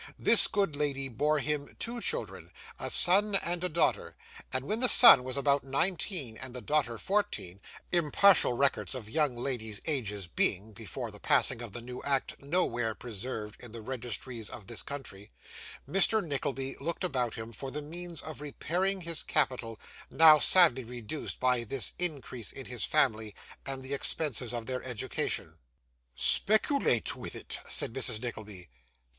This good lady bore him two children, a son and a daughter, and when the son was about nineteen, and the daughter fourteen, as near as we can guess impartial records of young ladies' ages being, before the passing of the new act, nowhere preserved in the registries of this country Mr Nickleby looked about him for the means of repairing his capital, now sadly reduced by this increase in his family, and the expenses of their education. 'Speculate with it,' said Mrs. Nickleby.